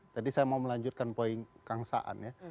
tadi saya mau melanjutkan poin kangsaan ya